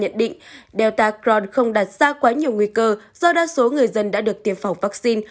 nhận định delta cron không đặt ra quá nhiều nguy cơ do đa số người dân đã được tiêm phòng vaccine